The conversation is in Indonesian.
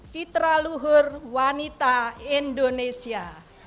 citra luhur wanita indonesia